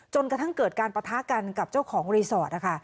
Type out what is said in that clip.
จนกระทั่งเกิดการปะทะกันกับเจ้าของรีสอร์ทนะคะ